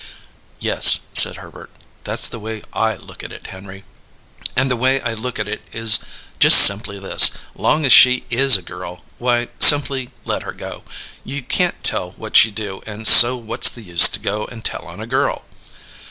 "Yes," said Herbert. "That's the way I look at it, Henry; and the way I look at it is just simply this: long as she is a girl, why, simply let her go. You can't tell what she'd do, and so what's the use to go and tell on a girl?"